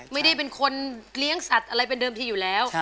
ไม่ได้เป็นคนเลี้ยงสัตว์อะไรเป็นเดิมทีอยู่แล้ว